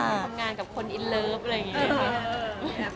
ทำงานกับคนอินเลิฟอะไรอย่างนี้